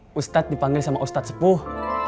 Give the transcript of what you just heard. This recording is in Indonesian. hai ustadz dipanggil sama ustadz sepuh